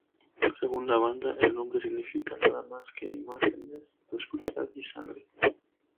Según la banda, el nombre significa "nada más que imágenes de oscuridad y sangre".